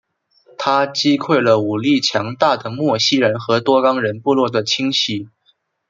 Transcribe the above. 他击溃了武力强大的莫西人和多冈人部落的侵袭。